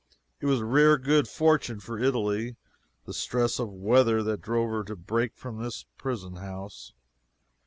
It was a rare good fortune for Italy, the stress of weather that drove her to break from this prison house.